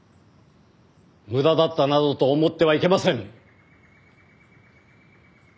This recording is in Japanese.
無駄だったなどと思ってはいけません！